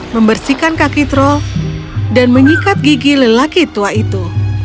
membersihkan kaki troll dan menyikat gigi lelaki tua itu